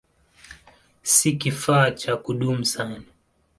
Si kifaa cha kudumu sana.